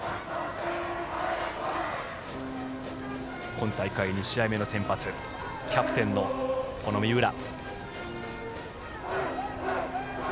今大会、２試合目の先発キャプテンの三浦。